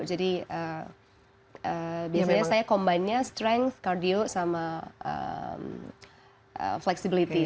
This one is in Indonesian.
jadi biasanya saya combine nya strength kardio sama flexibility